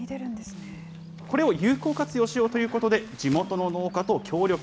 これを有効活用しようということで、地元の農家と協力。